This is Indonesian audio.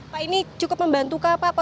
pak ini cukup membantu kah pak